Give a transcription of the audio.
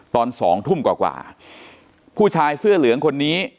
ตอนสองทุ่มกว่าผู้ชายเสื้อเหลืองคนนี้